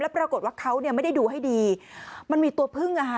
ปรากฏว่าเขาเนี่ยไม่ได้ดูให้ดีมันมีตัวพึ่งอ่ะค่ะ